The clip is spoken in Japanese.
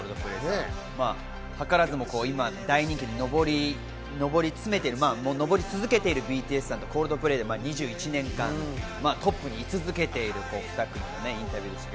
図らずも今大人気で上り詰めているＢＴＳさんとコールドプレイ、２１年間トップにい続けている２組のインタビューでした。